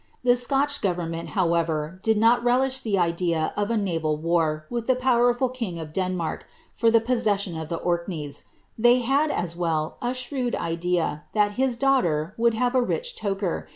The Scotch government, however, did ni l rii' ;i the idea of a nai al war with the powerful king of Denmark for Uif p'^ session of the Orkneys; they hail, as well, a shrewd idea ihai i.ii daughter would have a •■ rich tocher.''